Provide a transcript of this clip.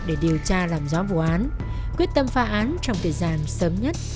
để điều tra làm gió vụ án quyết tâm pha án trong thời gian sớm nhất